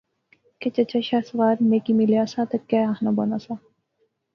کہ چچا شاہ سوار میں کی ملیا سا تہ کہہ آخنا بانا سا